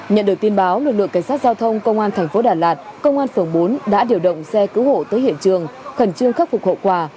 nhận được tin báo lực lượng cảnh sát giao thông công an thành phố đà lạt công an phường bốn đã điều động xe cứu hộ tới hiện trường khẩn trương khắc phục hậu quả